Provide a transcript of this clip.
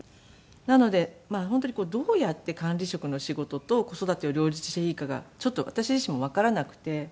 なので本当にどうやって管理職の仕事と子育てを両立していいかがちょっと私自身もわからなくて。